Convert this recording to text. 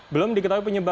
belum diketahui penyembuhan